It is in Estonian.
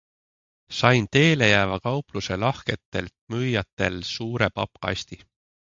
Sain teele jääva kaupluse lahketelt müüjatel suure pappkasti.